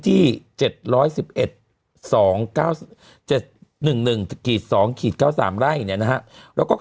มันติดคุกออกไปออกมาได้สองเดือน